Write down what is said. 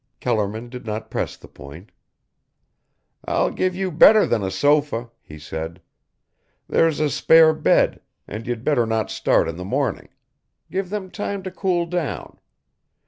Kellerman did not press the point. "I'll give you better than a sofa," he said. "There's a spare bed, and you'd better not start in the morning; give them time to cool down.